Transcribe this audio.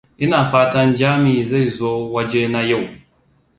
Ina fatan Jami zai zo wajena yau.